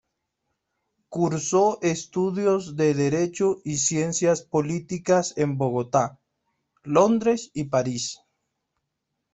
Cursó estudios de Derecho y Ciencias Políticas en Bogotá, Londres y París.